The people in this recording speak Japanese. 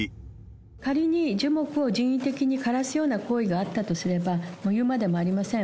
仮に樹木を人為的に枯らすような行為があったとすれば、言うまでもありません。